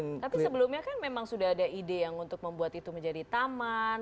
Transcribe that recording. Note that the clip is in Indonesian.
tapi sebelumnya kan memang sudah ada ide yang untuk membuat itu menjadi taman